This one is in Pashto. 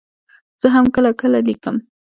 زه هم کله کله لیکم.